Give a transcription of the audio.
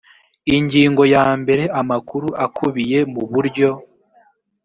ingingo ya mbere amakuru akubiye muburyo